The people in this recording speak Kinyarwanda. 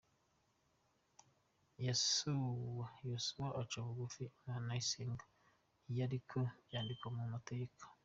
Yosuwa aca bugufi Imana isenya Yeriko byandikwa mu mateka.